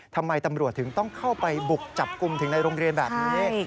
ทำไมตำรวจถึงต้องเข้าไปบุกจับกลุ่มถึงในโรงเรียนแบบนี้